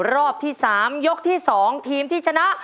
รอบที่สามยกที่สองทีมที่ชนะ